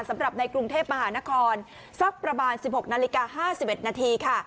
สำหรับในกรุงเทพมหานครสักประมาณ๑๖นาฬิกา๕๑นาทีค่ะ